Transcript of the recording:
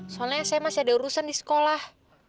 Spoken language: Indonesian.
soalnya saya masih ada urusan di sekolah